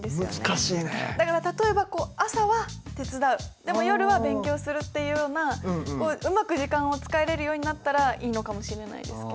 でも夜は勉強するっていうようなうまく時間を使えるようになったらいいのかもしれないですけど。